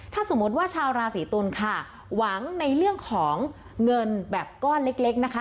ถ้าสมมติว่าชาวราศีตุลค่ะหวังในเรื่องของเงินแบบก้อนเล็กนะคะ